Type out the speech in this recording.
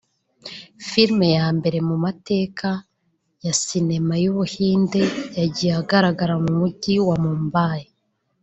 Filime ya mbere mu mateka ya sinema y’u Buhinde yagiye ahagaragara mu mujyi wa Mumbai